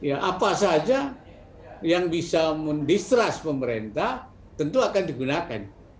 apa saja yang bisa mendistrust pemerintah tentu akan digunakan